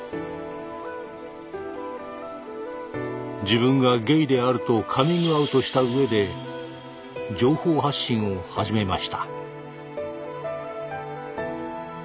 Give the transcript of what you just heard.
自分がゲイであるとカミングアウトしたうえで情報発信を始めました。